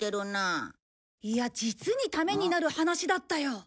いや実にためになる話だったよ。